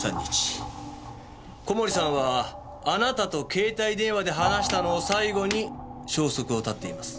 小森さんはあなたと携帯電話で話したのを最後に消息を絶っています。